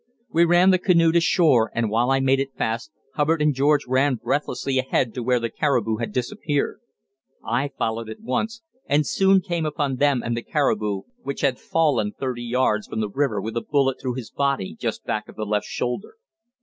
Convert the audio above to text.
We ran the canoe to shore, and while I made it fast, Hubbard and George ran breathlessly ahead to where the caribou had disappeared. I followed at once, and soon came upon them and the caribou, which fallen thirty yards from the river with a bullet through his body just back of the left shoulder.